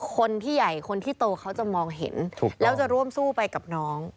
คนที่ใหญ่คนที่โตเขาจะมองเห็นแล้วจะร่วมสู้ไปกับน้อง